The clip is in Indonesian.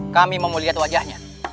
kami mau melihat wajahnya